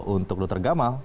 untuk dokter gamal